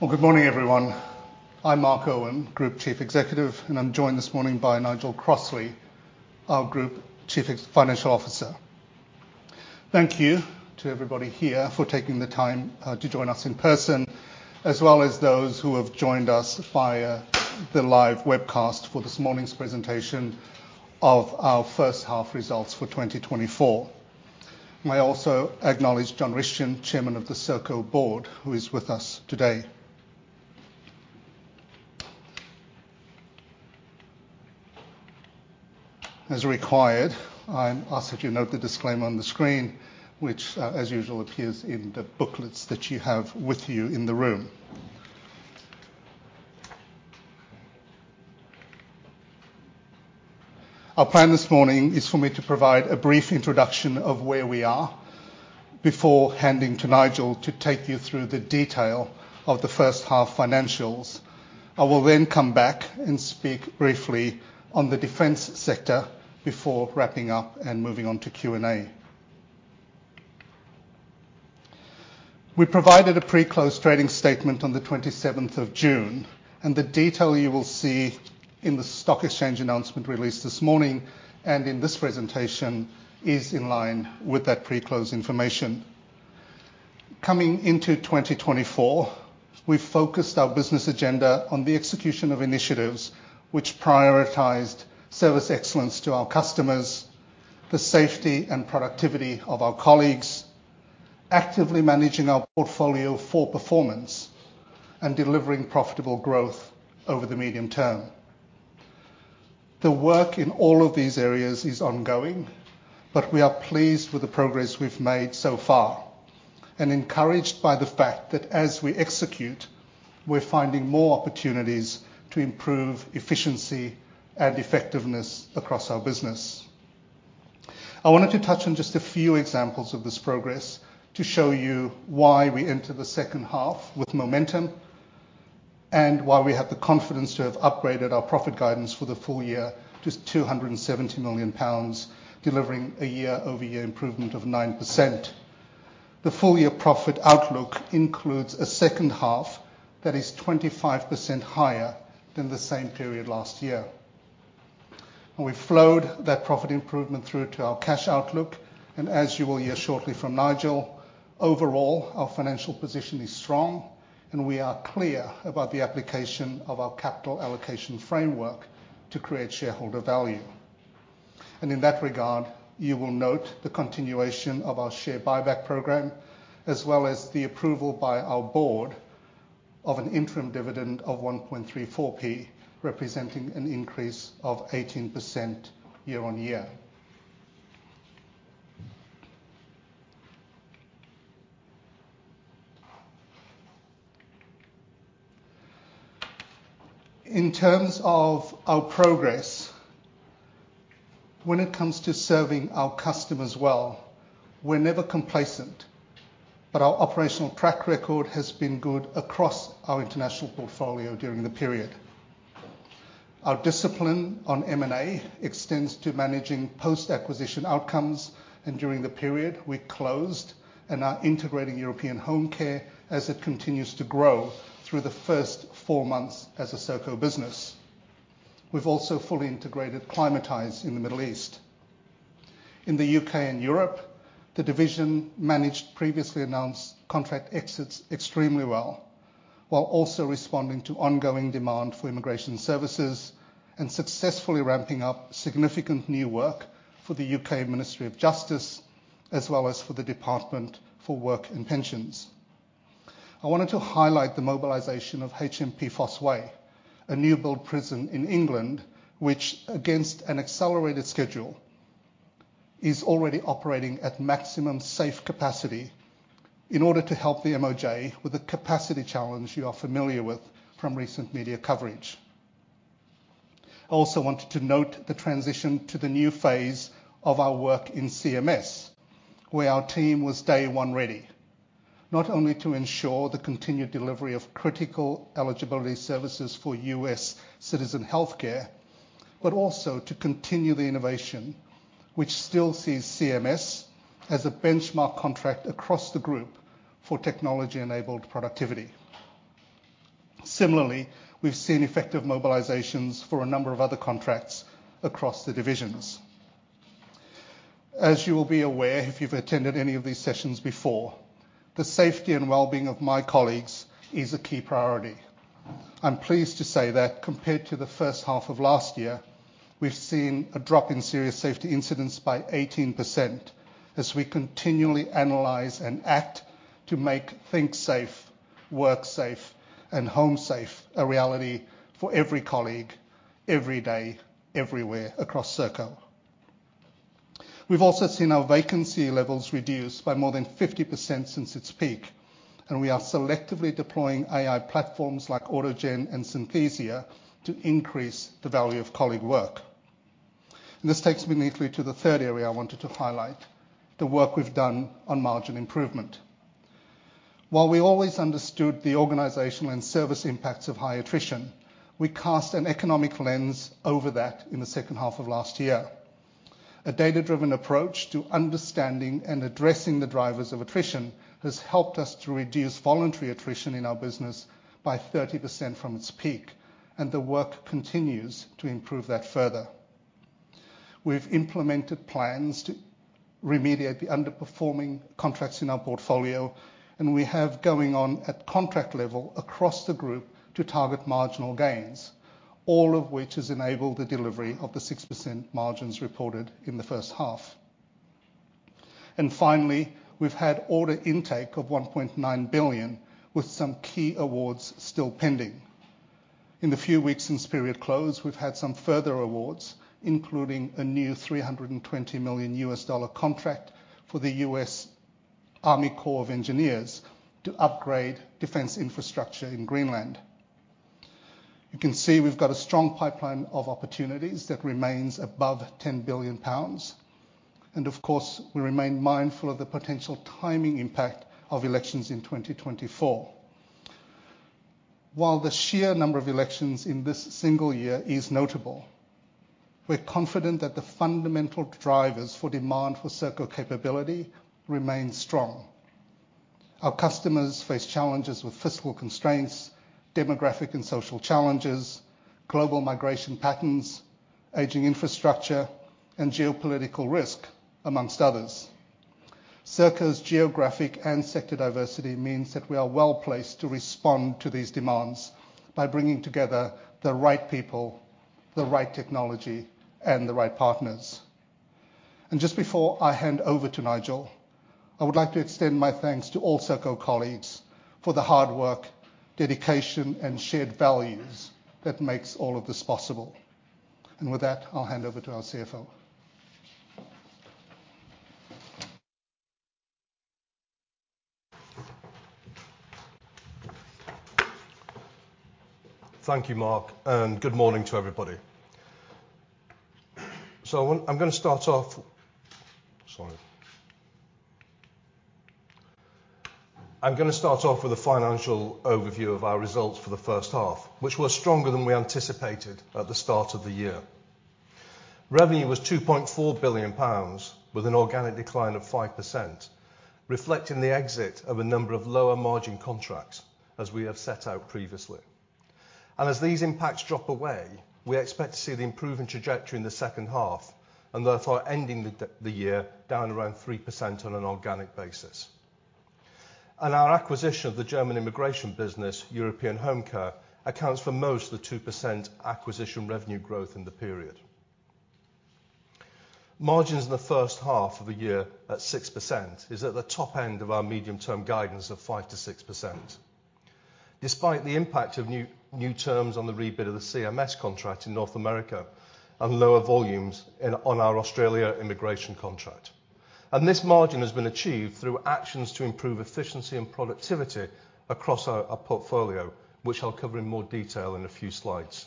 Well, good morning, everyone. I'm Mark Irwin, Group Chief Executive, and I'm joined this morning by Nigel Crossley, our Group Chief Financial Officer. Thank you to everybody here for taking the time to join us in person, as well as those who have joined us via the live webcast for this morning's presentation of our first half results for 2024. I also acknowledge John Rishton, Chairman of the Serco Board, who is with us today. As required, I'm asked that you note the disclaimer on the screen, which, as usual, appears in the booklets that you have with you in the room. Our plan this morning is for me to provide a brief introduction of where we are before handing to Nigel to take you through the detail of the first half financials. I will then come back and speak briefly on the defense sector before wrapping up and moving on to Q&A. We provided a pre-close trading statement on the 27th of June, and the detail you will see in the stock exchange announcement released this morning and in this presentation is in line with that pre-close information. Coming into 2024, we focused our business agenda on the execution of initiatives which prioritized service excellence to our customers, the safety and productivity of our colleagues, actively managing our portfolio for performance, and delivering profitable growth over the medium term. The work in all of these areas is ongoing, but we are pleased with the progress we've made so far and encouraged by the fact that as we execute, we're finding more opportunities to improve efficiency and effectiveness across our business. I wanted to touch on just a few examples of this progress to show you why we enter the second half with momentum and why we have the confidence to have upgraded our profit guidance for the full year to £270 million, delivering a year-over-year improvement of 9%. The full-year profit outlook includes a second half that is 25% higher than the same period last year. We've flowed that profit improvement through to our cash outlook, and as you will hear shortly from Nigel, overall, our financial position is strong, and we are clear about the application of our capital allocation framework to create shareholder value. In that regard, you will note the continuation of our share buyback program, as well as the approval by our board of an interim dividend of 1.34p, representing an increase of 18% year-on-year. In terms of our progress, when it comes to serving our customers well, we're never complacent, but our operational track record has been good across our international portfolio during the period. Our discipline on M&A extends to managing post-acquisition outcomes, and during the period we closed and are integrating European Homecare as it continues to grow through the first four months as a Serco business. We've also fully integrated Climatise in the Middle East. In the UK and Europe, the division managed previously announced contract exits extremely well, while also responding to ongoing demand for immigration services and successfully ramping up significant new work for the UK Ministry of Justice, as well as for the Department for Work and Pensions. I wanted to highlight the mobilization of HMP Fosse Way, a new build prison in England, which, against an accelerated schedule, is already operating at maximum safe capacity in order to help the MOJ with a capacity challenge you are familiar with from recent media coverage. I also wanted to note the transition to the new phase of our work in CMS, where our team was day one ready, not only to ensure the continued delivery of critical eligibility services for U.S. citizen healthcare, but also to continue the innovation, which still sees CMS as a benchmark contract across the group for technology-enabled productivity. Similarly, we've seen effective mobilizations for a number of other contracts across the divisions. As you will be aware, if you've attended any of these sessions before, the safety and well-being of my colleagues is a key priority. I'm pleased to say that compared to the first half of last year, we've seen a drop in serious safety incidents by 18% as we continually analyze and act to make things safe, work safe, and home safe a reality for every colleague, every day, everywhere across Serco. We've also seen our vacancy levels reduced by more than 50% since its peak, and we are selectively deploying AI platforms like AutoGen and Synthesia to increase the value of colleague work. This takes me neatly to the third area I wanted to highlight: the work we've done on margin improvement. While we always understood the organizational and service impacts of high attrition, we cast an economic lens over that in the second half of last year. A data-driven approach to understanding and addressing the drivers of attrition has helped us to reduce voluntary attrition in our business by 30% from its peak, and the work continues to improve that further. We've implemented plans to remediate the underperforming contracts in our portfolio, and we have going on at contract level across the group to target marginal gains, all of which has enabled the delivery of the 6% margins reported in the first half. Finally, we've had order intake of 1.9 billion, with some key awards still pending. In the few weeks since period close, we've had some further awards, including a new $320 million contract for the US Army Corps of Engineers to upgrade defense infrastructure in Greenland. You can see we've got a strong pipeline of opportunities that remains above 10 billion pounds. Of course, we remain mindful of the potential timing impact of elections in 2024. While the sheer number of elections in this single year is notable, we're confident that the fundamental drivers for demand for Serco capability remain strong. Our customers face challenges with fiscal constraints, demographic and social challenges, global migration patterns, aging infrastructure, and geopolitical risk, among others. Serco's geographic and sector diversity means that we are well placed to respond to these demands by bringing together the right people, the right technology, and the right partners. Just before I hand over to Nigel, I would like to extend my thanks to all Serco colleagues for the hard work, dedication, and shared values that make all of this possible. With that, I'll hand over to our CFO. Thank you, Mark, and good morning to everybody. I'm going to start off with a financial overview of our results for the first half, which were stronger than we anticipated at the start of the year. Revenue was 2.4 billion pounds, with an organic decline of 5%, reflecting the exit of a number of lower margin contracts, as we have set out previously. As these impacts drop away, we expect to see the improving trajectory in the second half and therefore ending the year down around 3% on an organic basis. Our acquisition of the German immigration business, European Homecare, accounts for most of the 2% acquisition revenue growth in the period. Margins in the first half of the year at 6% is at the top end of our medium-term guidance of 5%-6%, despite the impact of new terms on the rebid of the CMS contract in North America and lower volumes on our Australia immigration contract. This margin has been achieved through actions to improve efficiency and productivity across our portfolio, which I'll cover in more detail in a few slides.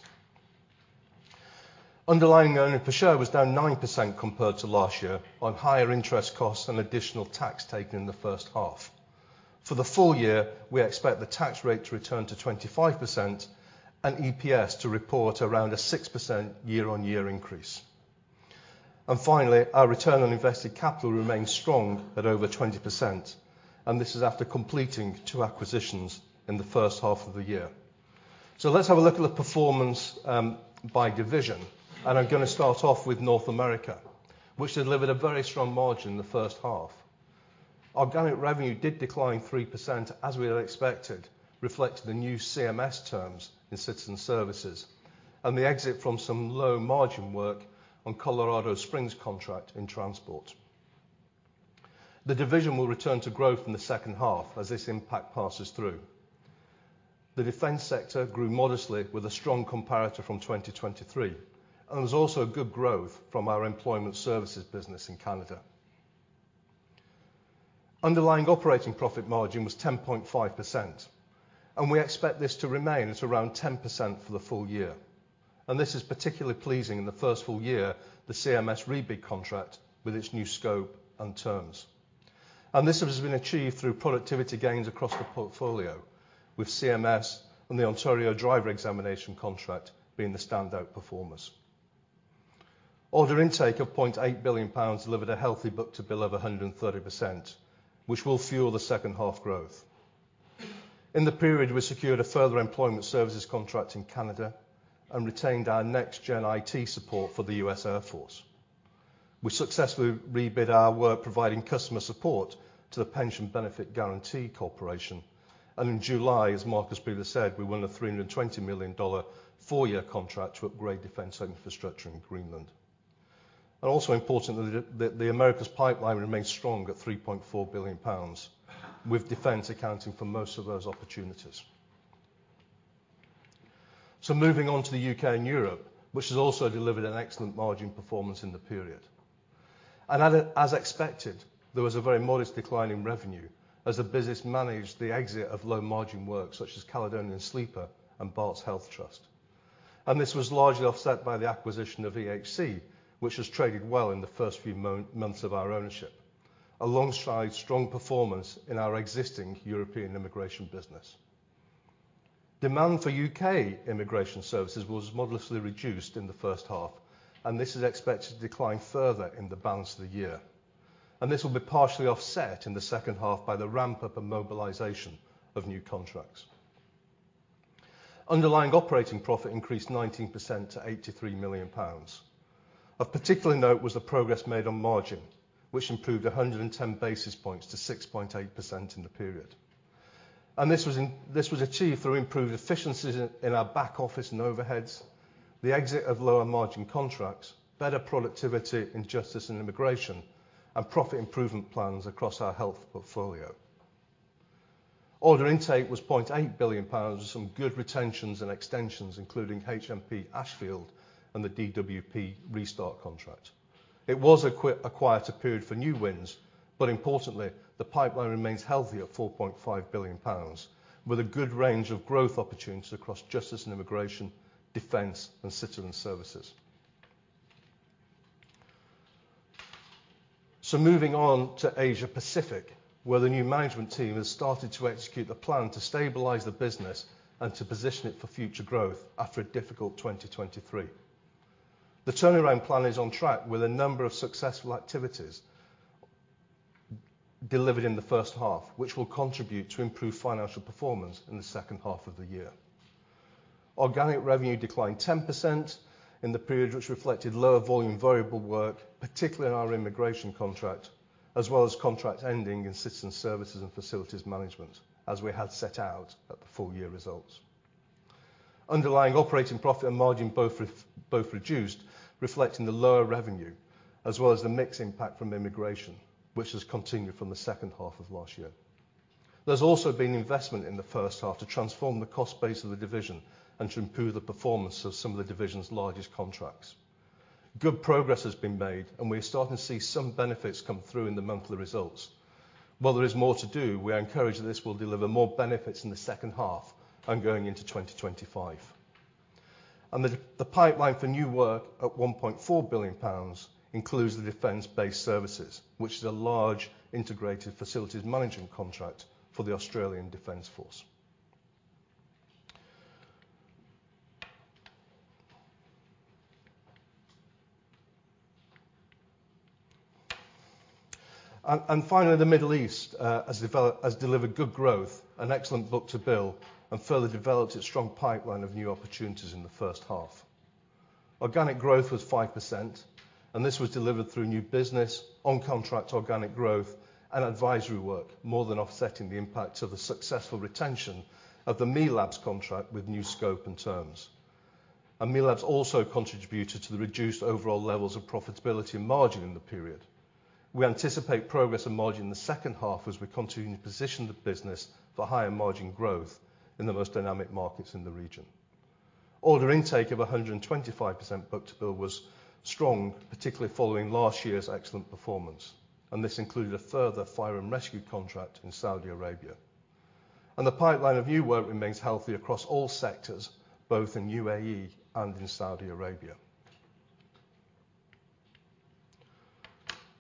Underlying earnings per share was down 9% compared to last year on higher interest costs and additional tax taken in the first half. For the full year, we expect the tax rate to return to 25% and EPS to report around a 6% year-on-year increase. Finally, our Return on Invested Capital remains strong at over 20%, and this is after completing two acquisitions in the first half of the year. Let's have a look at the performance by division, and I'm going to start off with North America, which delivered a very strong margin in the first half. Organic revenue did decline 3%, as we had expected, reflecting the new CMS terms in citizen services and the exit from some low margin work on Colorado Springs contract in transport. The division will return to growth in the second half as this impact passes through. The defense sector grew modestly, with a strong comparator from 2023, and there's also good growth from our employment services business in Canada. Underlying operating profit margin was 10.5%, and we expect this to remain at around 10% for the full year. This is particularly pleasing in the first full year, the CMS rebid contract with its new scope and terms. This has been achieved through productivity gains across the portfolio, with CMS and the Ontario driver examination contract being the standout performers. Order intake of £0.8 billion delivered a healthy book-to-bill of 130%, which will fuel the second-half growth. In the period, we secured a further employment services contract in Canada and retained our next-gen IT support for the U.S. Air Force. We successfully rebid our work providing customer support to the Pension Benefit Guaranty Corporation, and in July, as Mark has previously said, we won a $320 million four-year contract to upgrade defense infrastructure in Greenland. Also, importantly, the America's pipeline remains strong at £3.4 billion, with defense accounting for most of those opportunities. Moving on to the UK and Europe, which has also delivered an excellent margin performance in the period. As expected, there was a very modest decline in revenue as the business managed the exit of low margin work such as Caledonian Sleeper and Barts Health Trust. This was largely offset by the acquisition of EHC, which has traded well in the first few months of our ownership, alongside strong performance in our existing European immigration business. Demand for UK immigration services was modestly reduced in the first half, and this is expected to decline further in the balance of the year. This will be partially offset in the second half by the ramp-up and mobilization of new contracts. Underlying operating profit increased 19% to 83 million pounds. Of particular note was the progress made on margin, which improved 110 basis points to 6.8% in the period. This was achieved through improved efficiencies in our back office and overheads, the exit of lower margin contracts, better productivity in justice and immigration, and profit improvement plans across our health portfolio. Order intake was 0.8 billion pounds, with some good retentions and extensions, including HMP Ashfield and the DWP Restart contract. It was a quieter period for new wins, but importantly, the pipeline remains healthy at 4.5 billion pounds, with a good range of growth opportunities across justice and immigration, defense, and citizen services. Moving on to Asia Pacific, where the new management team has started to execute the plan to stabilize the business and to position it for future growth after a difficult 2023. The turnaround plan is on track with a number of successful activities delivered in the first half, which will contribute to improved financial performance in the second half of the year. Organic revenue declined 10% in the period, which reflected lower volume variable work, particularly in our immigration contract, as well as contracts ending in citizen services and facilities management, as we had set out at the full year results. Underlying operating profit and margin both reduced, reflecting the lower revenue, as well as the mix impact from immigration, which has continued from the second half of last year. There's also been investment in the first half to transform the cost base of the division and to improve the performance of some of the division's largest contracts. Good progress has been made, and we are starting to see some benefits come through in the monthly results. While there is more to do, we encourage that this will deliver more benefits in the second half and going into 2025. The pipeline for new work at £1.4 billion includes the Defence-Based Services, which is a large integrated facilities management contract for the Australian Defence Force. Finally, the Middle East has delivered good growth, an excellent book-to-bill, and further developed its strong pipeline of new opportunities in the first half. Organic growth was 5%, and this was delivered through new business, on-contract organic growth, and advisory work, more than offsetting the impacts of the successful retention of the MELABS contract with new scope and terms. MELABS also contributed to the reduced overall levels of profitability and margin in the period. We anticipate progress in margin in the second half as we continue to position the business for higher margin growth in the most dynamic markets in the region. Order intake of 125% book-to-bill was strong, particularly following last year's excellent performance, and this included a further fire and rescue contract in Saudi Arabia. The pipeline of new work remains healthy across all sectors, both in UAE and in Saudi Arabia.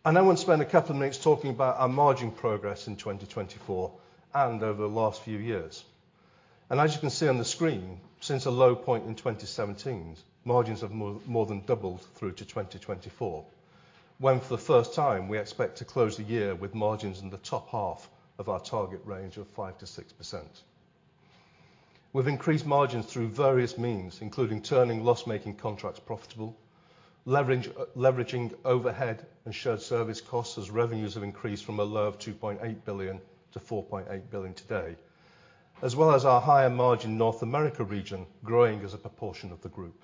I want to spend a couple of minutes talking about our margin progress in 2024 and over the last few years. As you can see on the screen, since a low point in 2017, margins have more than doubled through to 2024, when for the first time we expect to close the year with margins in the top half of our target range of 5%-6%. We've increased margins through various means, including turning loss-making contracts profitable, leveraging overhead and shared service costs as revenues have increased from a low of £2.8 billion to £4.8 billion today, as well as our higher margin North America region growing as a proportion of the group.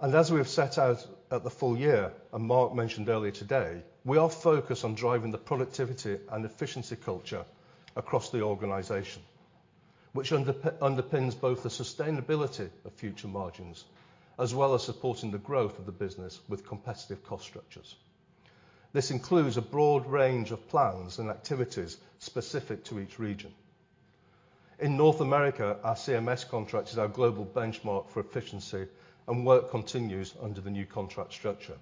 As we have set out at the full year, and Mark mentioned earlier today, we are focused on driving the productivity and efficiency culture across the organization, which underpins both the sustainability of future margins as well as supporting the growth of the business with competitive cost structures. This includes a broad range of plans and activities specific to each region. In North America, our CMS contract is our global benchmark for efficiency, and work continues under the new contract structure,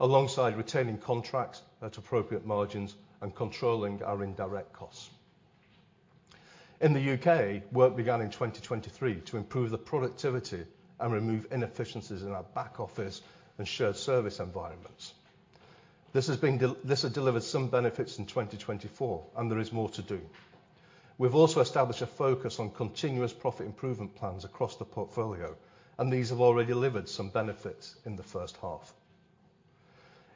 alongside retaining contracts at appropriate margins and controlling our indirect costs. In the UK, work began in 2023 to improve the productivity and remove inefficiencies in our back office and shared service environments. This has delivered some benefits in 2024, and there is more to do. We've also established a focus on continuous profit improvement plans across the portfolio, and these have already delivered some benefits in the first half.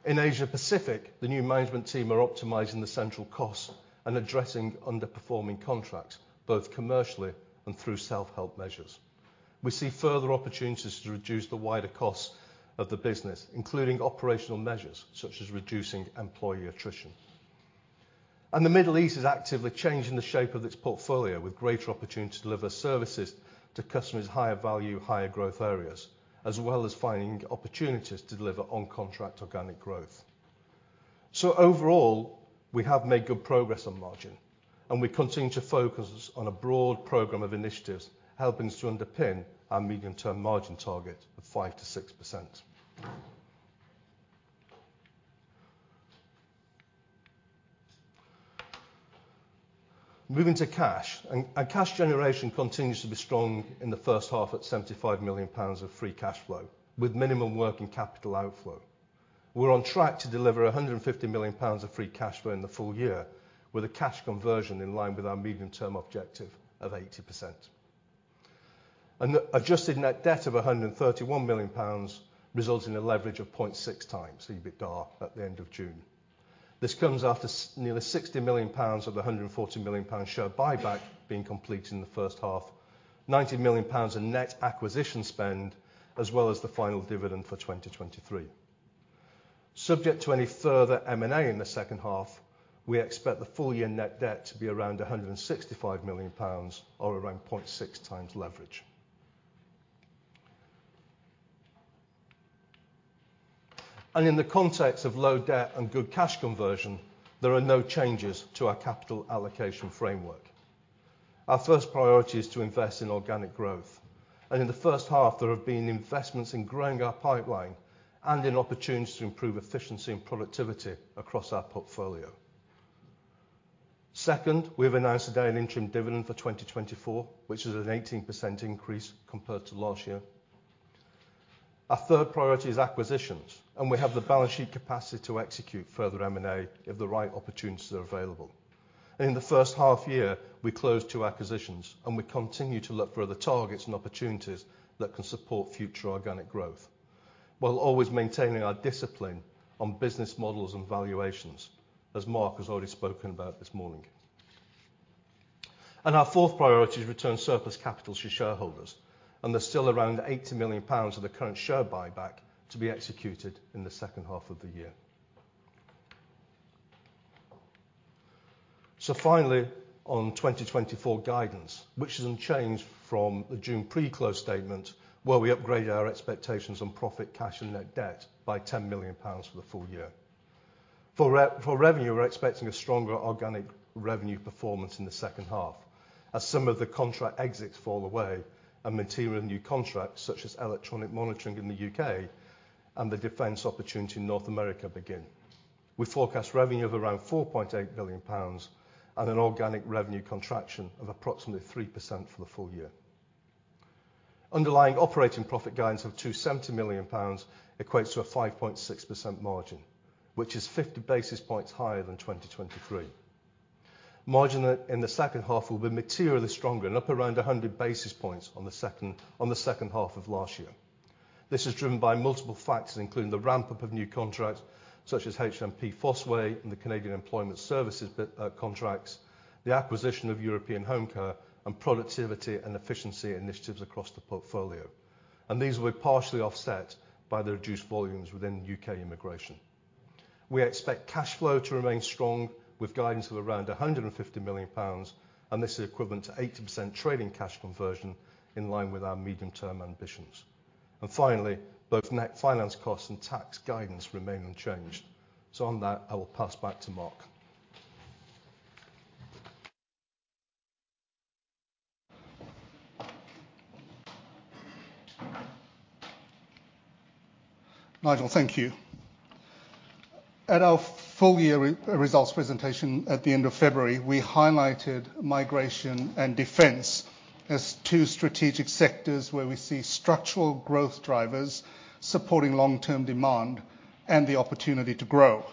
In Asia Pacific, the new management team are optimizing the central costs and addressing underperforming contracts, both commercially and through self-help measures. We see further opportunities to reduce the wider costs of the business, including operational measures such as reducing employee attrition. The Middle East is actively changing the shape of its portfolio with greater opportunities to deliver services to customers' higher value, higher growth areas, as well as finding opportunities to deliver on-contract organic growth. Overall, we have made good progress on margin, and we continue to focus on a broad program of initiatives helping us to underpin our medium-term margin target of 5%-6%. Moving to cash, cash generation continues to be strong in the first half at 75 million pounds of free cash flow, with minimum working capital outflow. We're on track to deliver 150 million pounds of free cash flow in the full year, with a cash conversion in line with our medium-term objective of 80%. Adjusted net debt of 131 million pounds results in a leverage of 0.6 times, EBITDA at the end of June. This comes after nearly 60 million pounds of the 140 million pound share buyback being completed in the first half, 90 million pounds in net acquisition spend, as well as the final dividend for 2023. Subject to any further M&A in the second half, we expect the full-year net debt to be around £165 million or around 0.6 times leverage. In the context of low debt and good cash conversion, there are no changes to our capital allocation framework. Our first priority is to invest in organic growth, and in the first half, there have been investments in growing our pipeline and in opportunities to improve efficiency and productivity across our portfolio. Second, we've announced today an interim dividend for 2024, which is an 18% increase compared to last year. Our third priority is acquisitions, and we have the balance sheet capacity to execute further M&A if the right opportunities are available. In the first half year, we closed two acquisitions, and we continue to look for other targets and opportunities that can support future organic growth, while always maintaining our discipline on business models and valuations, as Mark has already spoken about this morning. Our fourth priority is returned surplus capital to shareholders, and there's still around £80 million of the current share buyback to be executed in the second half of the year. Finally, on 2024 guidance, which is unchanged from the June pre-close statement, where we upgraded our expectations on profit, cash, and net debt by £10 million for the full year. For revenue, we're expecting a stronger organic revenue performance in the second half, as some of the contract exits fall away and material new contracts such as electronic monitoring in the UK and the defense opportunity in North America begin. We forecast revenue of around £4.8 billion and an organic revenue contraction of approximately 3% for the full year. Underlying operating profit guidance of £270 million equates to a 5.6% margin, which is 50 basis points higher than 2023. Margin in the second half will be materially stronger and up around 100 basis points on the second half of last year. This is driven by multiple factors, including the ramp-up of new contracts such as HMP Fosse Way and the Canadian Employment Services contracts, the acquisition of European Homecare, and productivity and efficiency initiatives across the portfolio. These will be partially offset by the reduced volumes within UK immigration. We expect cash flow to remain strong with guidance of around £150 million, and this is equivalent to 80% trading cash conversion in line with our medium-term ambitions. Finally, both net finance costs and tax guidance remain unchanged. On that, I will pass back to Mark. Nigel, thank you. At our full-year results presentation at the end of February, we highlighted migration and defense as two strategic sectors where we see structural growth drivers supporting long-term demand and the opportunity to grow.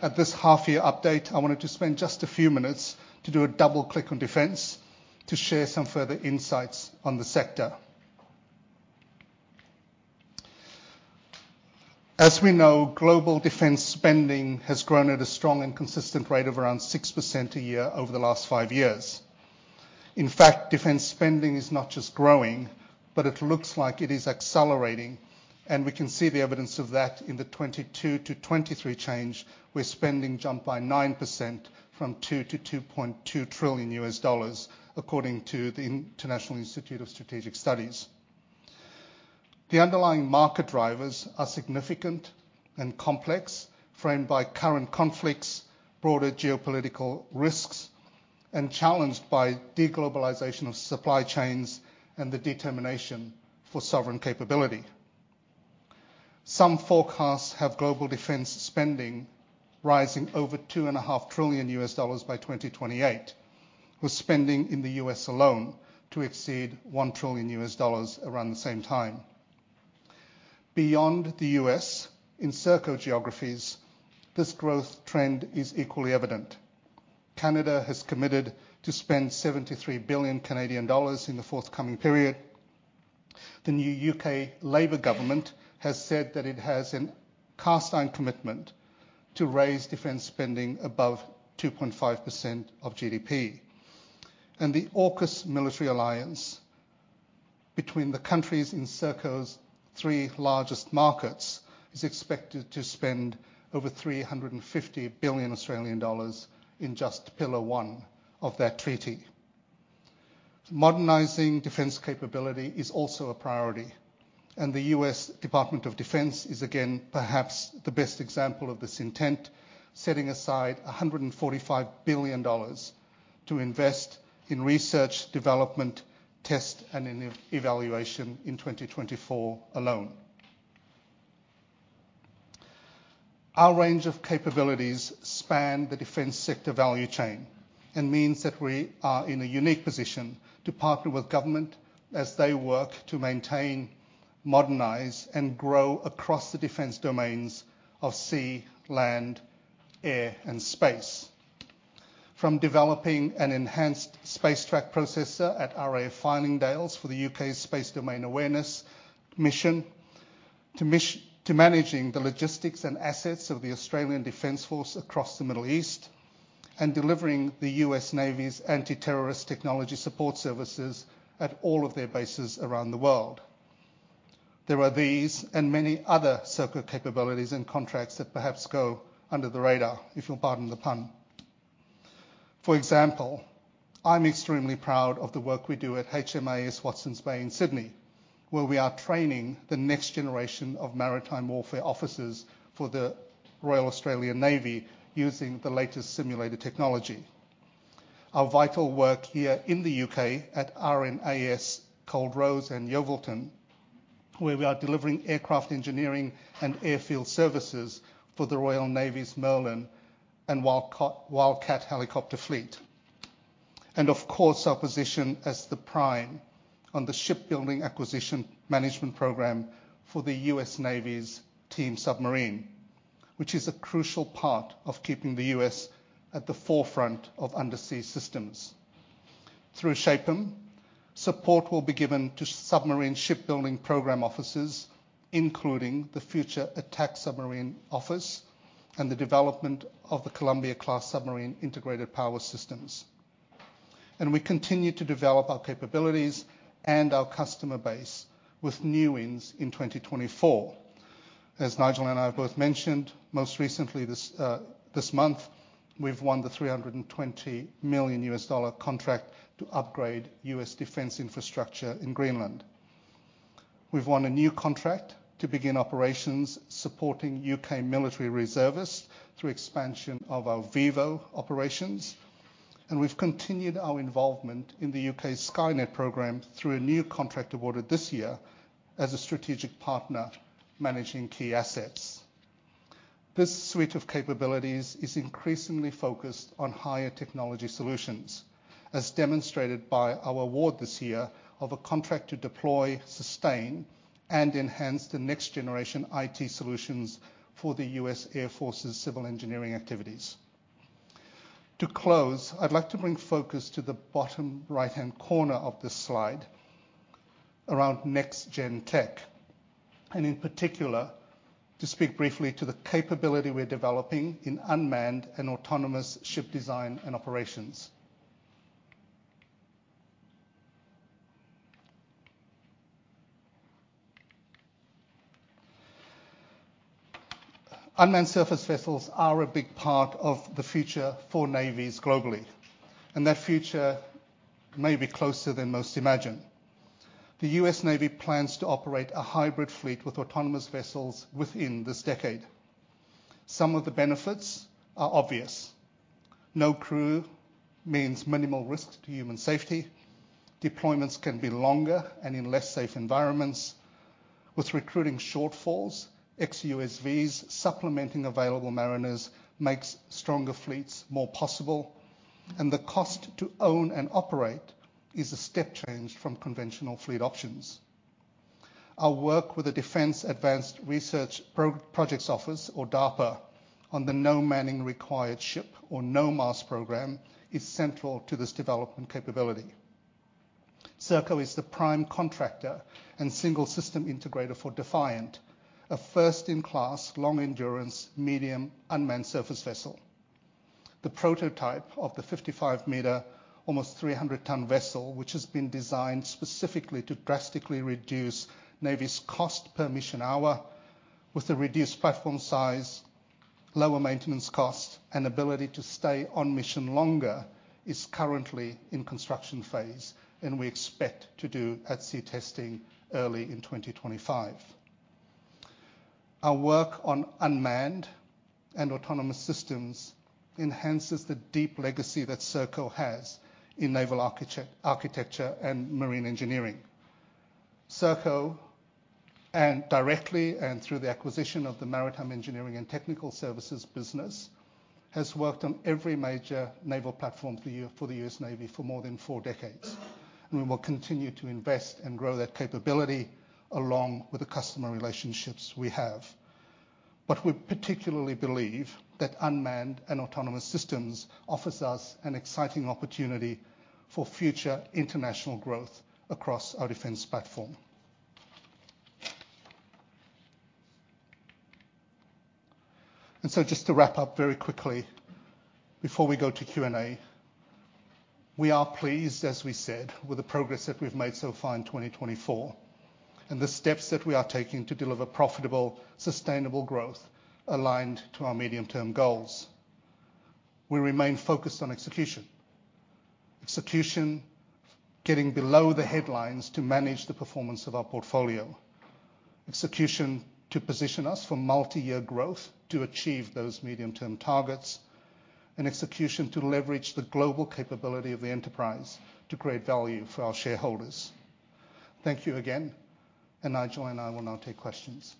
At this half-year update, I wanted to spend just a few minutes to do a double-click on defense to share some further insights on the sector. As we know, global defense spending has grown at a strong and consistent rate of around 6% a year over the last 5 years. In fact, defense spending is not just growing, but it looks like it is accelerating, and we can see the evidence of that in the 2022 to 2023 change, where spending jumped by 9% from $2-$2.2 trillion, according to the International Institute of Strategic Studies. The underlying market drivers are significant and complex, framed by current conflicts, broader geopolitical risks, and challenged by deglobalization of supply chains and the determination for sovereign capability. Some forecasts have global defense spending rising over $2.5 trillion by 2028, with spending in the US alone to exceed $1 trillion around the same time. Beyond the US, in Serco geographies, this growth trend is equally evident. Canada has committed to spend 73 billion Canadian dollars in the forthcoming period. The new UK Labour government has said that it has a cast-iron commitment to raise defense spending above 2.5% of GDP. The AUKUS military alliance between the countries in Serco's three largest markets is expected to spend over 350 billion Australian dollars in just Pillar One of that treaty. Modernizing defense capability is also a priority, and the U.S. Department of Defense is again perhaps the best example of this intent, setting aside $145 billion to invest in research, development, test, and evaluation in 2024 alone. Our range of capabilities spans the defense sector value chain and means that we are in a unique position to partner with government as they work to maintain, modernize, and grow across the defense domains of sea, land, air, and space. From developing an enhanced Space Track Processor at RAF Fylingdales for the U.K.'s Space Domain Awareness Mission to managing the logistics and assets of the Australian Defence Force across the Middle East and delivering the U.S. Navy's anti-terrorist technology support services at all of their bases around the world, there are these and many other Serco capabilities and contracts that perhaps go under the radar, if you'll pardon the pun. For example, I'm extremely proud of the work we do at HMAS Watson in Sydney, where we are training the next generation of maritime warfare officers for the Royal Australian Navy using the latest simulated technology. Our vital work here in the UK at RNAS Culdrose and RNAS Yeovilton, where we are delivering aircraft engineering and airfield services for the Royal Navy's Merlin and Wildcat helicopter fleet, and of course, our position as the prime on the Shipbuilding Acquisition Management Program for the US Navy's Team Submarine, which is a crucial part of keeping the US at the forefront of undersea systems. Through SHAPM, support will be given to submarine shipbuilding program officers, including the Future Attack Submarine office and the development of the Columbia-Class Submarine Integrated Power Systems. We continue to develop our capabilities and our customer base with new wins in 2024. As Nigel and I have both mentioned, most recently this month, we've won the $320 million contract to upgrade U.S. defense infrastructure in Greenland. We've won a new contract to begin operations supporting U.K. military reservists through expansion of our VIVO operations, and we've continued our involvement in the U.K.'s Skynet program through a new contract awarded this year as a strategic partner managing key assets. This suite of capabilities is increasingly focused on higher technology solutions, as demonstrated by our award this year of a contract to deploy, sustain, and enhance the next generation IT solutions for the U.S. Air Force's civil engineering activities. To close, I'd like to bring focus to the bottom right-hand corner of this slide around next-gen tech, and in particular, to speak briefly to the capability we're developing in unmanned and autonomous ship design and operations. Unmanned surface vessels are a big part of the future for navies globally, and that future may be closer than most imagine. The US Navy plans to operate a hybrid fleet with autonomous vessels within this decade. Some of the benefits are obvious. No crew means minimal risk to human safety. Deployments can be longer and in less safe environments. With recruiting shortfalls, ex-USVs supplementing available mariners makes stronger fleets more possible, and the cost to own and operate is a step change from conventional fleet options. Our work with the Defense Advanced Research Projects Office, or DARPA, on the No-Manning Required Ship or NOMARS Program is central to this development capability. Serco is the prime contractor and single system integrator for Defiant, a first-in-class long-endurance medium unmanned surface vessel, the prototype of the 55-meter, almost 300-ton vessel, which has been designed specifically to drastically reduce navies' cost per mission hour. With the reduced platform size, lower maintenance costs, and ability to stay on mission longer, it's currently in construction phase, and we expect to do at sea testing early in 2025. Our work on unmanned and autonomous systems enhances the deep legacy that Serco has in naval architecture and marine engineering. Serco, directly and through the acquisition of the Maritime Engineering and Technical Services business, has worked on every major naval platform for the U.S. Navy for more than four decades, and we will continue to invest and grow that capability along with the customer relationships we have. But we particularly believe that unmanned and autonomous systems offers us an exciting opportunity for future international growth across our defense platform. Just to wrap up very quickly before we go to Q&A, we are pleased, as we said, with the progress that we've made so far in 2024, and the steps that we are taking to deliver profitable, sustainable growth aligned to our medium-term goals. We remain focused on execution. Execution getting below the headlines to manage the performance of our portfolio. Execution to position us for multi-year growth to achieve those medium-term targets, and execution to leverage the global capability of the enterprise to create value for our shareholders. Thank you again, and Nigel and I will now take questions.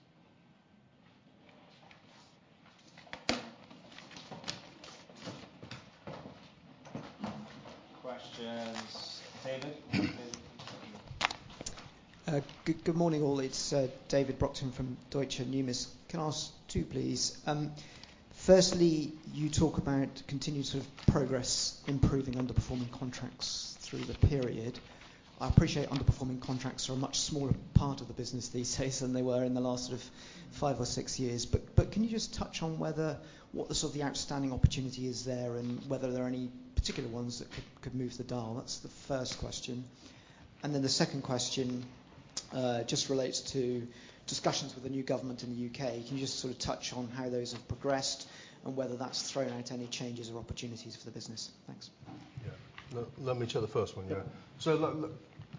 Questions. David. David. Good morning, all. It's David Brockton from Deutsche Numis. Can I ask two, please? Firstly, you talk about continued progress, improving underperforming contracts through the period. I appreciate underperforming contracts are a much smaller part of the business these days than they were in the last five or six years. But can you just touch on what the outstanding opportunity is there and whether there are any particular ones that could move the dial? That's the first question. Then the second question just relates to discussions with the new government in the UK. Can you just touch on how those have progressed and whether that's thrown out any changes or opportunities for the business? Thanks. Yeah. Let me tell the first one.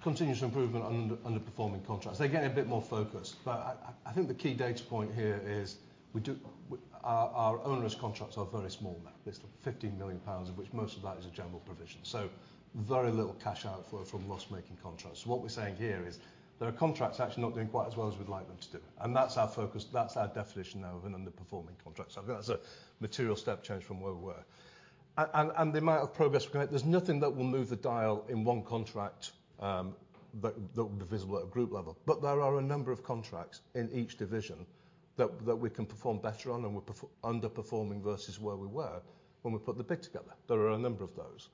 Continuous improvement on underperforming contracts. They're getting a bit more focused. But I think the key data point here is our onerous contracts are very small now. It's 15 million pounds, of which most of that is a general provision. Very little cash outflow from loss-making contracts. What we're saying here is there are contracts actually not doing quite as well as we'd like them to do. That's our focus. That's our definition now of an underperforming contract. That's a material step change from where we were. The amount of progress we're going to make, there's nothing that will move the dial in one contract that will be visible at a group level. But there are a number of contracts in each division that we can perform better on and we're underperforming versus where we were when we put the bid together. There are a number of those,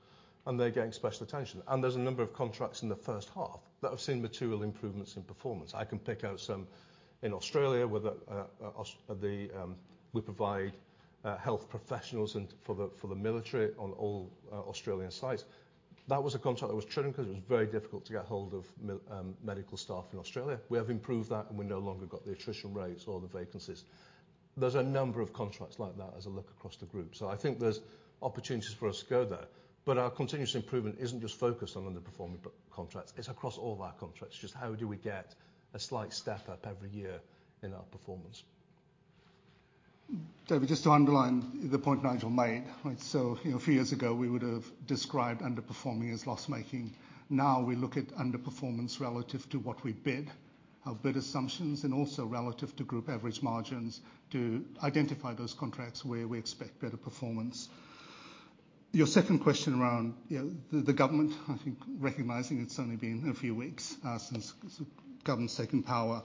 and they're getting special attention. There's a number of contracts in the first half that have seen material improvements in performance. I can pick out some in Australia where we provide health professionals for the military on all Australian sites. That was a contract that was triggering because it was very difficult to get hold of medical staff in Australia. We have improved that, and we no longer got the attrition rates or the vacancies. There's a number of contracts like that as I look across the group. I think there's opportunities for us to go there. But our continuous improvement isn't just focused on underperforming contracts. It's across all our contracts. Just how do we get a slight step up every year in our performance? David, just to underline the point Nigel made, a few years ago, we would have described underperforming as loss-making. Now we look at underperformance relative to what we bid, our bid assumptions, and also relative to group average margins to identify those contracts where we expect better performance. Your second question around the government, I think, recognizing it's only been a few weeks since the government's taken power.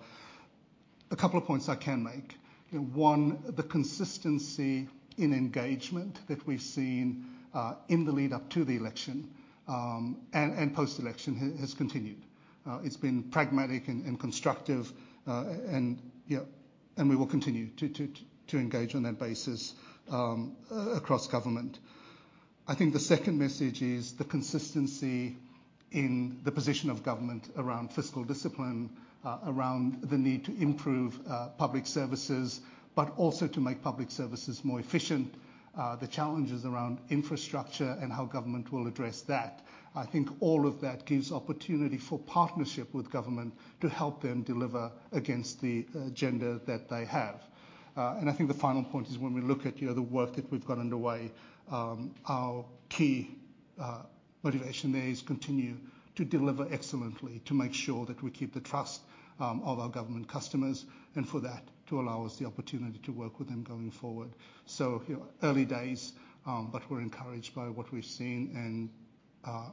A couple of points I can make. One, the consistency in engagement that we've seen in the lead-up to the election and post-election has continued. It's been pragmatic and constructive, and we will continue to engage on that basis across government. I think the second message is the consistency in the position of government around fiscal discipline, around the need to improve public services, but also to make public services more efficient. The challenges around infrastructure and how government will address that. I think all of that gives opportunity for partnership with government to help them deliver against the agenda that they have. I think the final point is when we look at the work that we've got underway, our key motivation there is to continue to deliver excellently to make sure that we keep the trust of our government customers and for that to allow us the opportunity to work with them going forward. Early days, but we're encouraged by what we've seen and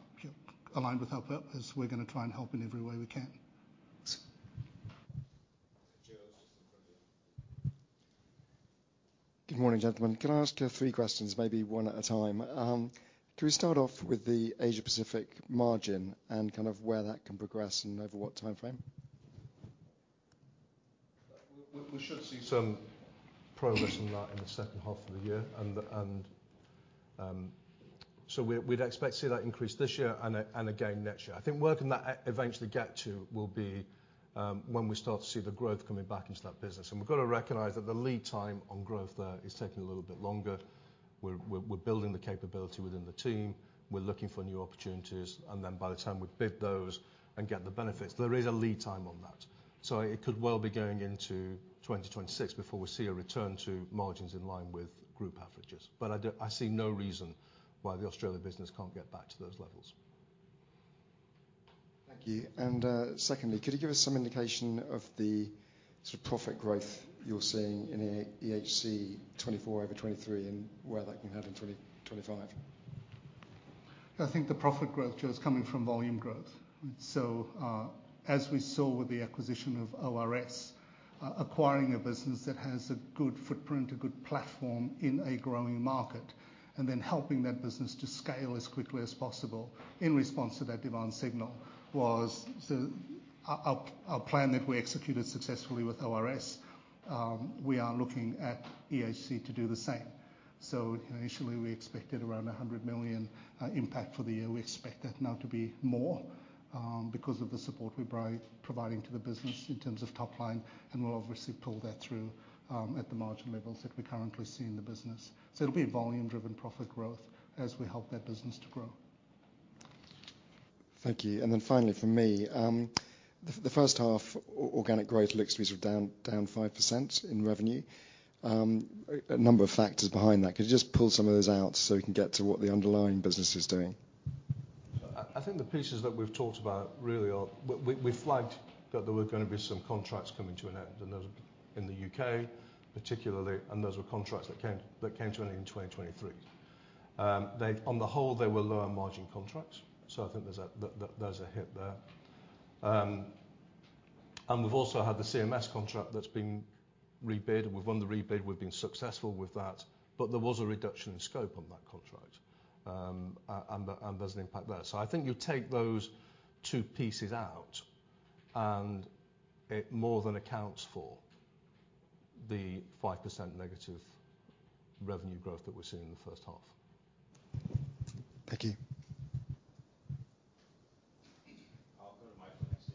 aligned with our purpose. We're going to try and help in every way we can. Good morning, gentlemen. Can I ask you three questions, maybe one at a time? Can we start off with the Asia-Pacific margin and where that can progress and over what time frame? We should see some progress in that in the second half of the year. We'd expect to see that increase this year and again next year. I think where can that eventually get to will be when we start to see the growth coming back into that business. We've got to recognize that the lead time on growth there is taking a little bit longer. We're building the capability within the team. We're looking for new opportunities. Then by the time we bid those and get the benefits, there is a lead time on that. It could well be going into 2026 before we see a return to margins in line with group averages. But I see no reason why the Australian business can't get back to those levels. Thank you. Secondly, could you give us some indication of the profit growth you're seeing in EHC 2024 over 2023 and where that can head in 2025? I think the profit growth, Joe, is coming from volume growth. As we saw with the acquisition of ORS, acquiring a business that has a good footprint, a good platform in a growing market, and then helping that business to scale as quickly as possible in response to that demand signal was our plan that we executed successfully with ORS. We are looking at EHC to do the same. Initially, we expected around 100 million impact for the year. We expect that now to be more because of the support we're providing to the business in terms of top line, and we'll obviously pull that through at the margin levels that we currently see in the business. It'll be volume-driven profit growth as we help that business to grow. Thank you. Then finally, for me, the first half organic growth looks to be down 5% in revenue. A number of factors behind that. Could you just pull some of those out so we can get to what the underlying business is doing? I think the pieces that we've talked about really are we flagged that there were going to be some contracts coming to an end in the UK, particularly, and those were contracts that came to an end in 2023. On the whole, they were lower margin contracts, so I think there's a hit there. We've also had the CMS contract that's been rebid. We've won the rebid. We've been successful with that. But there was a reduction in scope on that contract, and there's an impact there. I think you take those two pieces out, and it more than accounts for the 5% negative revenue growth that we're seeing in the first half. Thank you. I'll go to Michael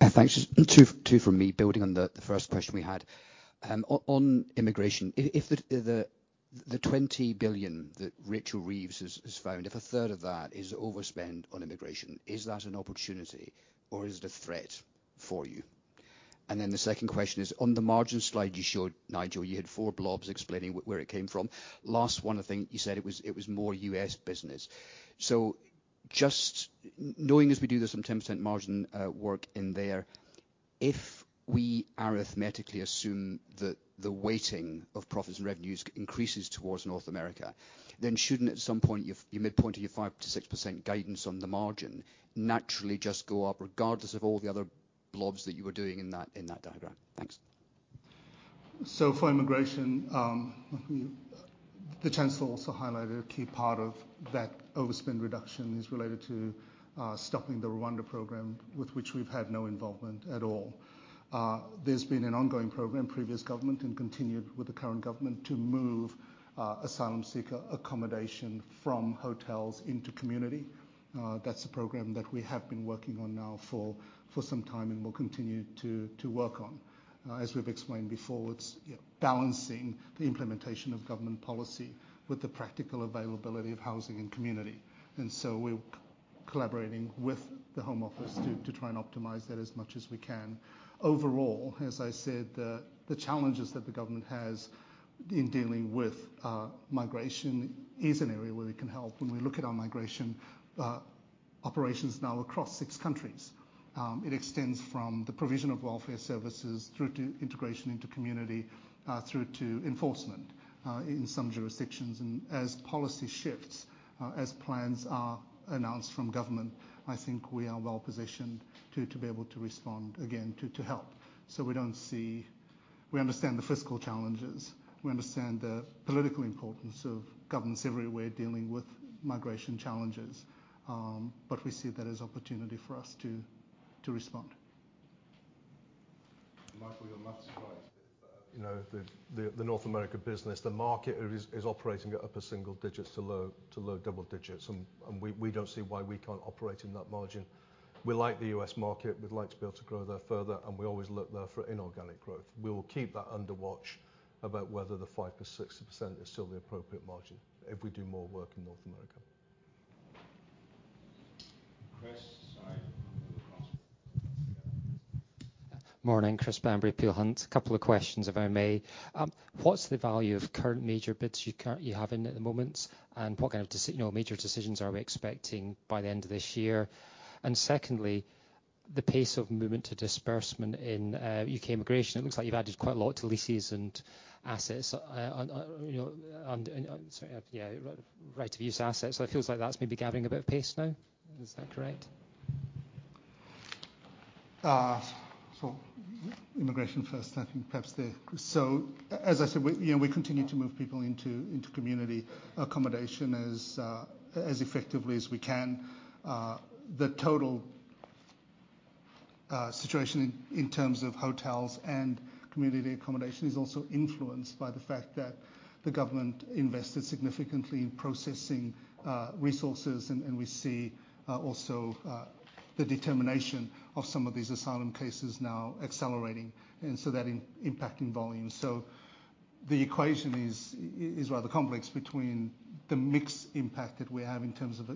next. Thanks. Two from me, building on the first question we had. On immigration, if the 20 billion that Rachel Reeves has found, if a third of that is overspend on immigration, is that an opportunity or is it a threat for you? Then the second question is, on the margin slide you showed, Nigel, you had four blobs explaining where it came from. Last one, I think you said it was more US business. Just knowing as we do this on 10% margin work in there, if we arithmetically assume that the weighting of profits and revenues increases towards North America, then shouldn't at some point your midpoint of your 5%-6% guidance on the margin naturally just go up regardless of all the other blobs that you were doing in that diagram? Thanks. For immigration, the Chancellor also highlighted a key part of that overspend reduction is related to stopping the Rwanda program, with which we've had no involvement at all. There's been an ongoing program, previous government and continued with the current government, to move asylum seeker accommodation from hotels into community. That's a program that we have been working on now for some time and will continue to work on. As we've explained before, it's balancing the implementation of government policy with the practical availability of housing and community. We're collaborating with the Home Office to try and optimize that as much as we can. Overall, as I said, the challenges that the government has in dealing with migration is an area where we can help. When we look at our migration operations now across six countries, it extends from the provision of welfare services through to integration into community through to enforcement in some jurisdictions. As policy shifts, as plans are announced from government, I think we are well positioned to be able to respond again to help. We understand the fiscal challenges. We understand the political importance of governments everywhere dealing with migration challenges. But we see that as opportunity for us to respond. Michael, you're not surprised. The North America business, the market is operating at upper single digits to low double digits, and we don't see why we can't operate in that margin. We like the U.S. market. We'd like to be able to grow there further, and we always look there for inorganic growth. We will keep that under watch about whether the 5%-6% is still the appropriate margin if we do more work in North America. Morning. Chris Bamberry, Peel Hunt, a couple of questions if I may. What's the value of current major bids you have in at the moment, and what kind of major decisions are we expecting by the end of this year? Secondly, the pace of movement to disbursement in UK immigration, it looks like you've added quite a lot to leases and assets. Sorry, right of use assets. It feels like that's maybe gathering a bit of pace now. Is that correct? Immigration first, I think. As I said, we continue to move people into community accommodation as effectively as we can. The total situation in terms of hotels and community accommodation is also influenced by the fact that the government invested significantly in processing resources, and we see also the determination of some of these asylum cases now accelerating and that impacting volumes. The equation is rather complex between the mix impact that we have in terms of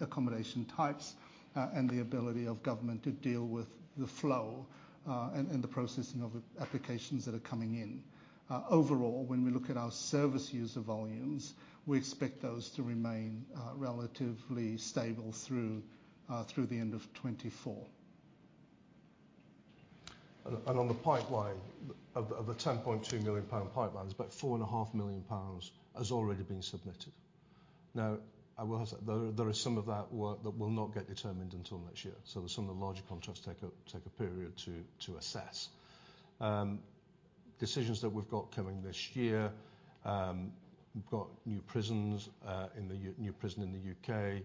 accommodation types and the ability of government to deal with the flow and the processing of applications that are coming in. Overall, when we look at our service user volumes, we expect those to remain relatively stable through the end of 2024. On the pipeline, of the £10.2 million pipeline, about £4.5 million has already been submitted. There is some of that work that will not get determined until next year. There's some of the larger contracts take a period to assess. Decisions that we've got coming this year. We've got new prisons in the U.K.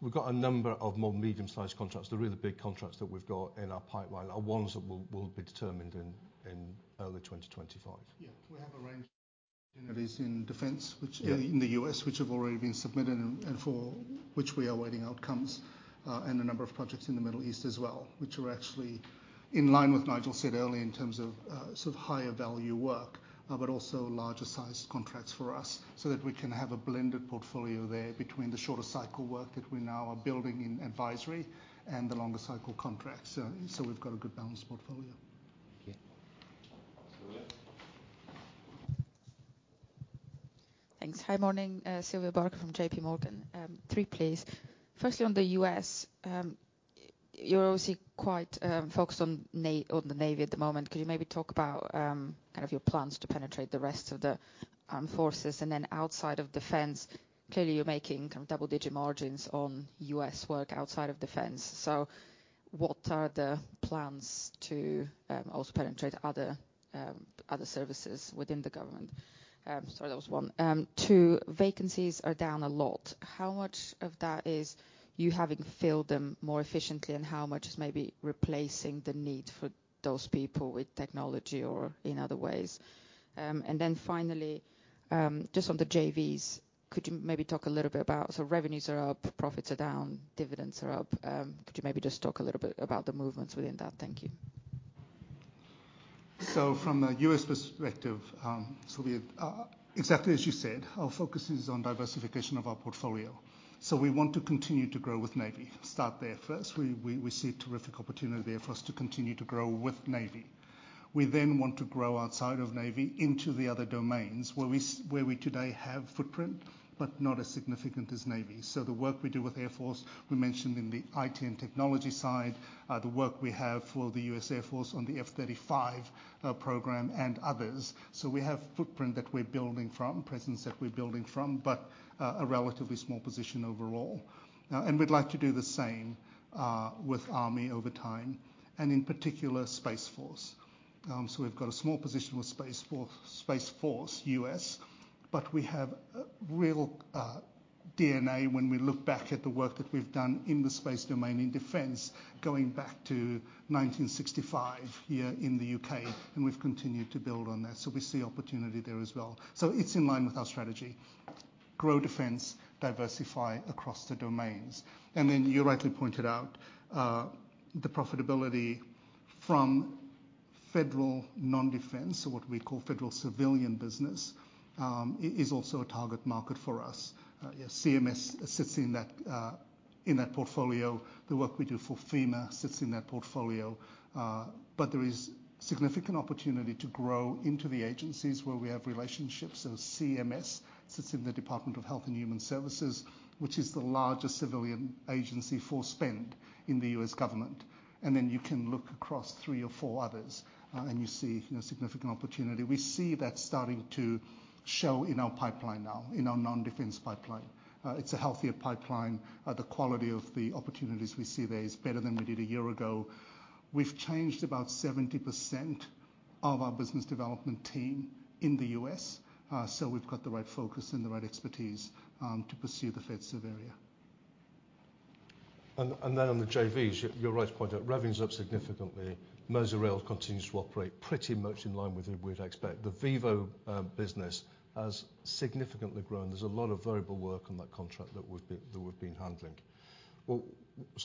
We've got a number of more medium-sized contracts. The really big contracts that we've got in our pipeline are ones that will be determined in early 2025. We have a range that is in defense in the U.S., which have already been submitted and for which we are waiting outcomes, and a number of projects in the Middle East as well, which are actually in line with Nigel said earlier in terms of higher value work, but also larger-sized contracts for us so that we can have a blended portfolio there between the shorter cycle work that we now are building in advisory and the longer cycle contracts. We've got a good balanced portfolio. Thanks. Hi, morning. Sylvia Barker from JPMorgan. Three, please. Firstly, on the U.S., you're obviously quite focused on the Navy at the moment. Could you maybe talk about your plans to penetrate the rest of the armed forces? Then outside of defense, clearly you're making double-digit margins on U.S. work outside of defense. What are the plans to also penetrate other services within the government? Sorry, that was one. Two, vacancies are down a lot. How much of that is you having filled them more efficiently, and how much is maybe replacing the need for those people with technology or in other ways? Then finally, just on the JVs, could you maybe talk a little bit about revenues are up, profits are down, dividends are up? Could you maybe just talk a little bit about the movements within that? Thank you. From a U.S. perspective, exactly as you said, our focus is on diversification of our portfolio. We want to continue to grow with Navy. Start there first. We see a terrific opportunity there for us to continue to grow with Navy. We then want to grow outside of Navy into the other domains where we today have footprint, but not as significant as Navy. The work we do with Air Force, we mentioned in the IT and technology side, the work we have for the U.S. Air Force on the F-35 program and others. We have footprint that we're building from, presence that we're building from, but a relatively small position overall. We'd like to do the same with Army over time, and in particular, Space Force. We've got a small position with Space Force, U.S., but we have real DNA when we look back at the work that we've done in the space domain in defense going back to 1965 here in the U.K., and we've continued to build on that. We see opportunity there as well. It's in line with our strategy: grow defense, diversify across the domains. Then you rightly pointed out the profitability from federal non-defense, what we call federal civilian business, is also a target market for us. CMS sits in that portfolio. The work we do for FEMA sits in that portfolio. But there is significant opportunity to grow into the agencies where we have relationships. CMS sits in the Department of Health and Human Services, which is the largest civilian agency for spend in the U.S. government. Then you can look across three or four others, and you see significant opportunity. We see that starting to show in our pipeline now, in our non-defense pipeline. It's a healthier pipeline. The quality of the opportunities we see there is better than we did a year ago. We've changed about 70% of our business development team in the US, so we've got the right focus and the right expertise to pursue the FedServ area. Then on the JVs, you're right to point out revenues up significantly. Merseyrail continues to operate pretty much in line with what we'd expect. The Vivo business has significantly grown. There's a lot of variable work on that contract that we've been handling.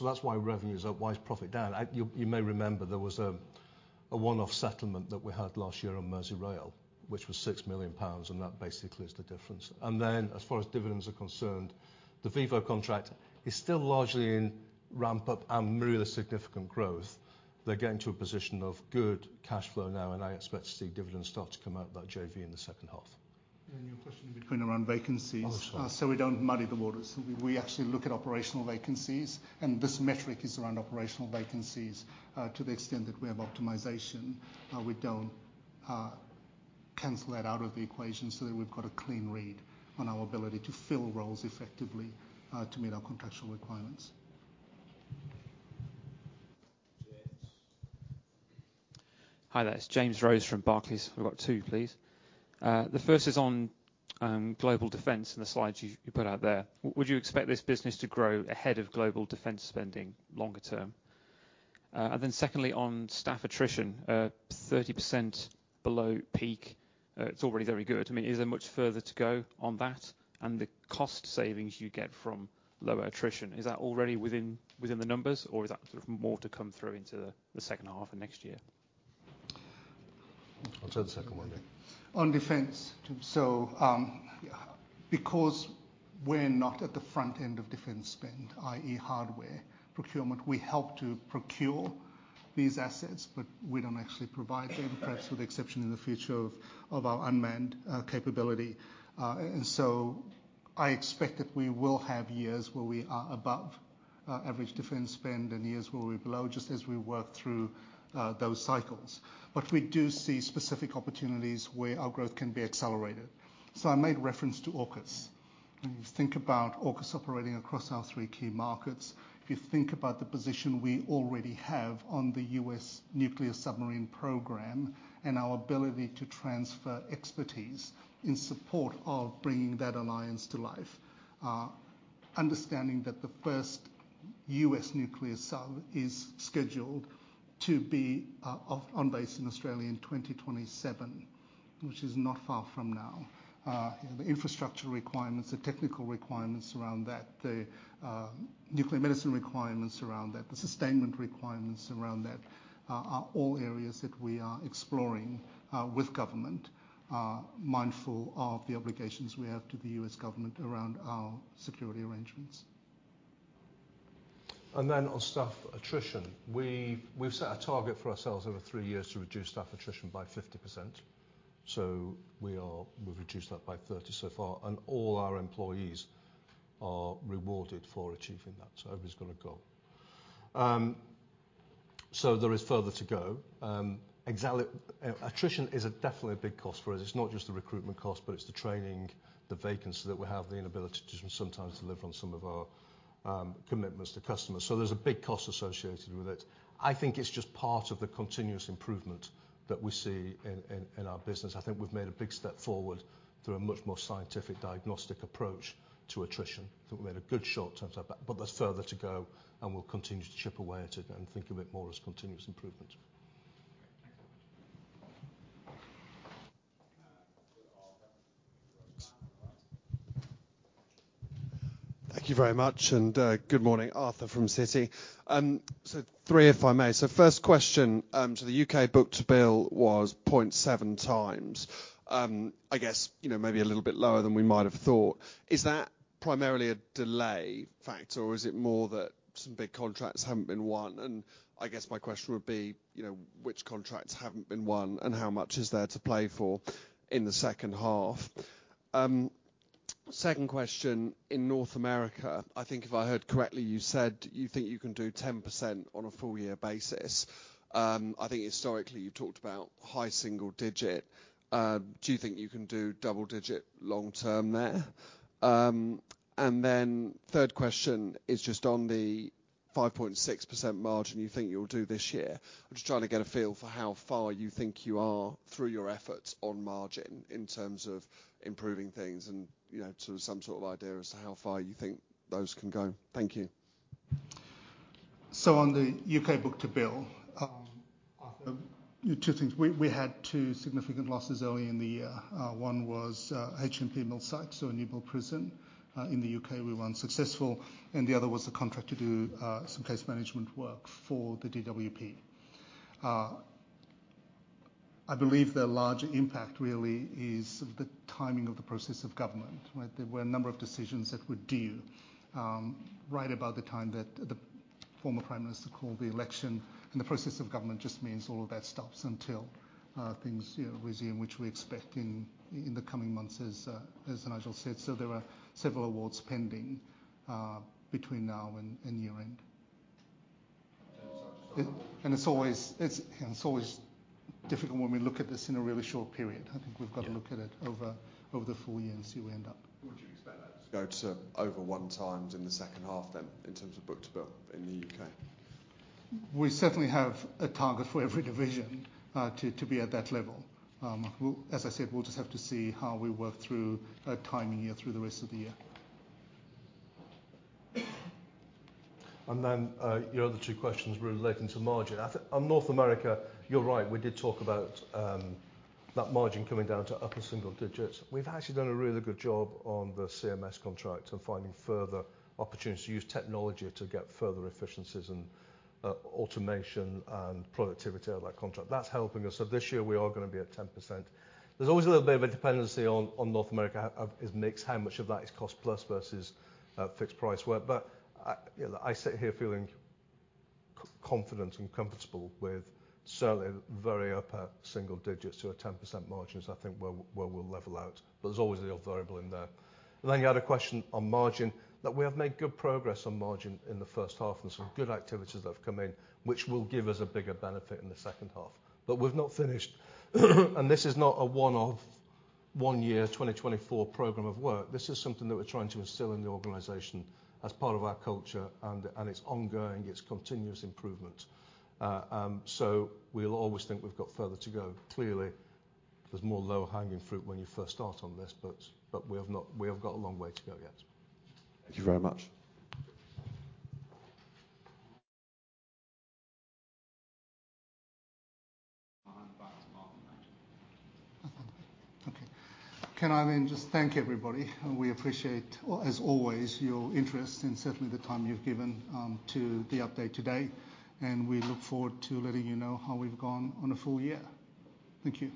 That's why revenues are, why is profit down? You may remember there was a one-off settlement that we had last year on Merseyrail, which was 6 million pounds, and that basically is the difference. Then as far as dividends are concerned, the Vivo contract is still largely in ramp-up and really significant growth. They're getting to a position of good cash flow now, and I expect to see dividends start to come out of that JV in the second half. Your question in between around vacancies. We don't muddy the waters. We actually look at operational vacancies, and this metric is around operational vacancies to the extent that we have optimization. We don't cancel that out of the equation so that we've got a clean read on our ability to fill roles effectively to meet our contractual requirements. Hi, that's James Rose from Barclays. We've got two, please. The first is on global defense and the slides you put out there. Would you expect this business to grow ahead of global defense spending longer term? Then secondly, on staff attrition, 30% below peak, it's already very good. Is there much further to go on that? The cost savings you get from lower attrition, is that already within the numbers, or is that more to come through into the second half of next year? I'll turn to the second one then. On defense, because we're not at the front end of defense spend, i.e., hardware procurement, we help to procure these assets, but we don't actually provide them, perhaps with the exception in the future of our unmanned capability. I expect that we will have years where we are above average defense spend and years where we're below, just as we work through those cycles. But we do see specific opportunities where our growth can be accelerated. I made reference to AUKUS. When you think about AUKUS operating across our three key markets, if you think about the position we already have on the US nuclear submarine program and our ability to transfer expertise in support of bringing that alliance to life, understanding that the first US nuclear sub is scheduled to be on base in Australia in 2027, which is not far from now. The infrastructure requirements, the technical requirements around that, the nuclear medicine requirements around that, the sustainment requirements around that are all areas that we are exploring with government, mindful of the obligations we have to the U.S. government around our security arrangements. Then on staff attrition, we've set a target for ourselves over three years to reduce staff attrition by 50%. We've reduced that by 30% so far, and all our employees are rewarded for achieving that. Everybody's got a goal. There is further to go. Attrition is definitely a big cost for us. It's not just the recruitment cost, but it's the training, the vacancy that we have, the inability to sometimes deliver on some of our commitments to customers. There's a big cost associated with it. I think it's just part of the continuous improvement that we see in our business. I think we've made a big step forward through a much more scientific diagnostic approach to attrition. We've made a good short-term step back, but there's further to go, and we'll continue to chip away at it and think of it more as continuous improvement. Thank you very much. Good morning, Arthur from Citi. Three, if I may. First question, the UK book-to-bill was 0.7x. Maybe a little bit lower than we might have thought. Is that primarily a delay factor, or is it more that some big contracts haven't been won? My question would be, which contracts haven't been won, and how much is there to play for in the second half? Second question, in North America, I think if I heard correctly, you said you think you can do 10% on a full-year basis. I think historically you talked about high single digit. Do you think you can do double-digit long-term there? Then third question is just on the 5.6% margin you think you'll do this year. I'm just trying to get a feel for how far you think you are through your efforts on margin in terms of improving things and some sort of idea as to how far you think those can go. Thank you. On the UK book-to-bill, two things. We had two significant losses early in the year. One was HMP Millsike, a new-build prison in the UK we weren't successful. The other was a contract to do some case management work for the DWP. I believe the larger impact really is the timing of the process of government. There were a number of decisions that were due right about the time that the former Prime Minister called the election, and the process of government just means all of that stops until things resume which we expect in the coming months, as Nigel said. There are several awards pending between now and year-end. It's always difficult when we look at this in a really short period. I think we've got to look at it over the full year and see where we end up. Would you expect that to go to over one times in the second half then in terms of book-to-bill in the UK? We certainly have a target for every division to be at that level. As I said, we'll just have to see how we work through timing here through the rest of the year. Then your other two questions relating to margin. On North America, you're right. We did talk about that margin coming down to upper single digits. We've actually done a really good job on the CMS contract and finding further opportunities to use technology to get further efficiencies and automation and productivity of that contract. That's helping us. This year we are going to be at 10%. There's always a little bit of a dependency on North America as mix how much of that is cost-plus versus fixed price work. But I sit here feeling confident and comfortable with certainly very upper single digits to a 10% margin is I think where we'll level out. But there's always the variable in there. Then you had a question on margin. We have made good progress on margin in the first half, and some good activities that have come in, which will give us a bigger benefit in the second half. But we've not finished. This is not a one-off, one-year, 2024 program of work. This is something that we're trying to instill in the organization as part of our culture, and it's ongoing, it's continuous improvement. We'll always think we've got further to go. Clearly, there's more low-hanging fruit when you first start on this, but we have got a long way to go yet. Thank you very much. Can I just thank everybody? We appreciate, as always, your interest and certainly the time you've given to the update today. We look forward to letting you know how we've gone on a full year. Thank you.